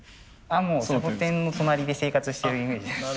もうサボテンの隣で生活してるイメージです。